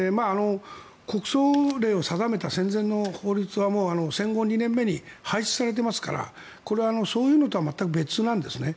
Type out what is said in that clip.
国葬令を定めた戦前の法律は戦後２年目に廃止されてますからこれはそういうのとは全く別なんですね。